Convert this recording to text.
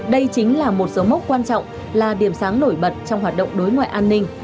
đây chính là một số mốc quan trọng là điểm sáng nổi bật trong hoạt động đối ngoại an ninh